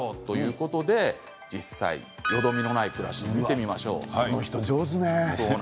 実際よどみのない暮らしを見てみましょう。